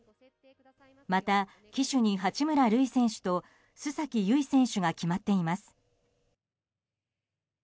また、旗手に八村塁選手と須崎選手が決まっています。